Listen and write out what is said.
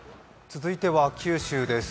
続いては九州です。